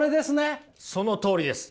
そのとおりです。